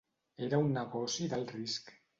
Era un negoci d'alt risc.